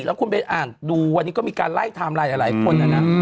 แล้วคุณไปอ่านดูวันนี้ก็มีการไล่ไทม์ไลน์หลายคนนะนะ